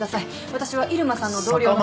私は入間さんの同僚の。